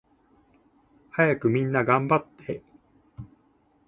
はやくみんながんばって